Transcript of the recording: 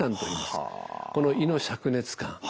この胃のしゃく熱感。